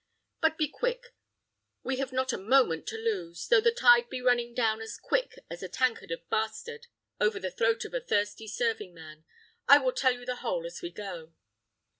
But be quick, we have not a moment to lose, though the tide be running down as quick as a tankard of bastard over the throat of a thirsty serving man; I will tell you the whole as we go."